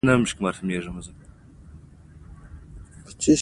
نوم دي؟